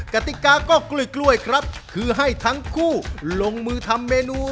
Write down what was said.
กติกาก็กล้วยครับคือให้ทั้งคู่ลงมือทำเมนู